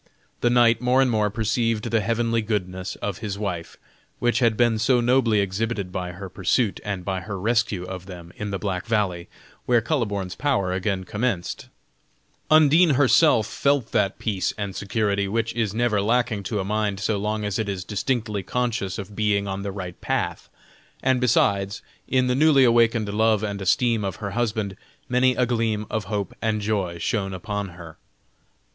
The knight more and more perceived the heavenly goodness of his wife, which had been so nobly exhibited by her pursuit, and by her rescue of them in the Black Valley, where Kuhleborn's power again commenced; Undine herself felt that peace and security, which is never lacking to a mind so long as it is distinctly conscious of being on the right path, and besides, in the newly awakened love and esteem of her husband, many a gleam of hope and joy shone upon her.